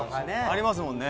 ありますもんね。